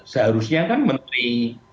seharusnya kan menteri